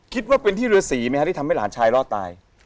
คิดว่าเป็นที่รือสีไหมฮะที่ทำให้หลานชายรอดตาย